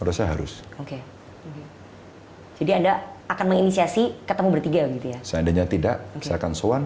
udah saya harus oke jadi anda akan menginisiasi ketemu bertiga gitu ya seandainya tidak saya akan soan